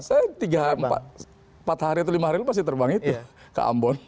saya empat hari atau lima hari pasti terbang itu ke ambon